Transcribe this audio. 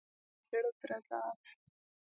• مینه د زړۀ درزا ده.